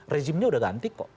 rezimnya sudah ganti kok